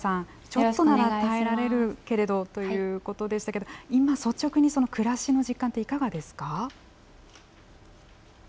ちょっとなら耐えられるけれどということでしたけど今、率直に暮らしの実感っていかがですか？